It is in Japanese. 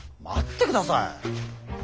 待ってください！